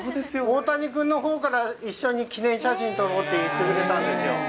大谷君のほうから、一緒に記念写真撮ろうって言ってくれたんですよ。